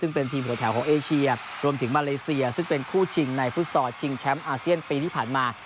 ซึ่งเป็นทีมหัวแถวของเอเชียรวมถึงมาเลเซียซึ่งเป็นคู่ชิงในฟุตซอลชิงแชมป์อาเซียนปีที่ผ่านมา